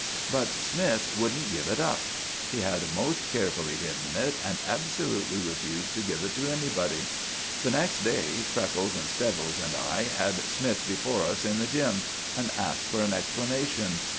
But Smythe wouldn't give it up. He had most carefully hidden it, and absolutely refused to give it to anybody! The next day Freckles, and Steggles, and I had Smythe before us in the gym., and asked for an explanation.